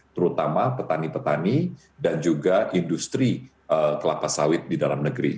terutama petani petani dan juga industri kelapa sawit di dalam negeri